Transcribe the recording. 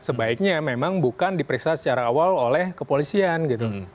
sebaiknya memang bukan diperiksa secara awal oleh kepolisian gitu